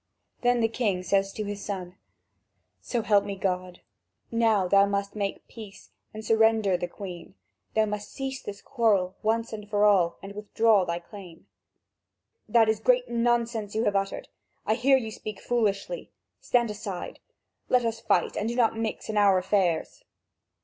Then the king says to his son: "So help me God, now thou must make peace and surrender the Queen. Thou must cease this quarrel once for all and withdraw thy claim." "That is great nonsense you have uttered! I hear you speak foolishly. Stand aside! Let us fight, and do not mix in our affairs!"